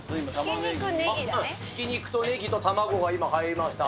ひき肉とネギと卵が今、入りました。